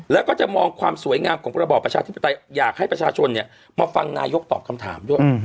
แล้วก็จะมองความสวยงามของระบอบประชาธิปไตยอยากให้ประชาชนมาฟังนายกตอบคำถามด้วย